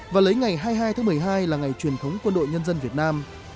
và lấy ngày hai mươi hai tháng một mươi hai là ngày truyền thống quân đội nhân dân việt nam